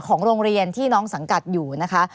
ของโรงเรียนที่น้องสังกัดอยู่นะคะ